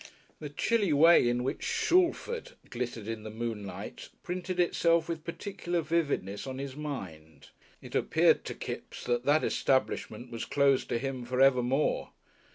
The chilly way in which "Shalford" glittered in the moonlight printed itself with particular vividness on his mind. It appeared to Kipps that that establishment was closed to him for evermore.